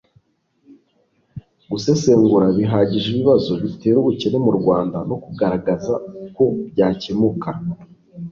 gusesengura bihagije ibibazo bitera ubukene mu rwanda no kugaragaza uko byacyemuka